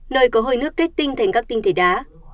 nơi có hồi nước kết tinh thành các tinh thể đá